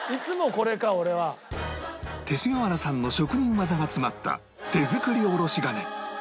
勅使川原さんの職人技が詰まった手作りおろし金